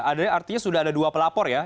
artinya sudah ada dua pelapor ya